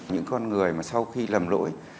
những con người mà sau khi làm lỗi